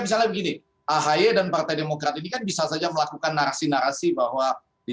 misalnya begini ahaya dan partai demokratik bisa saja melakukan narasi narasi bahwa di